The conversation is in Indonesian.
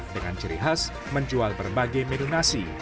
dengan ciri khas menjual berbagai menu nasi